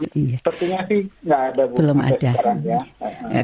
sepertinya sih tidak ada